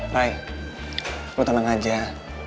re lo tenang aja